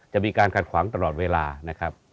มีการขัดขวางตลอดเวลานะครับ